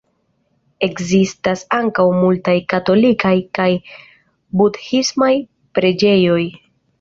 Ekzistas ankaŭ multaj katolikaj kaj budhismaj preĝejoj.